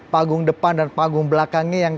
panggung depan dan panggung belakangnya yang